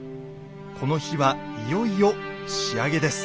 この日はいよいよ仕上げです。